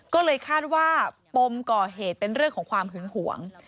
ก็เลยคาดว่าปมก่อเหตุเป็นเรื่องของความหึงหวง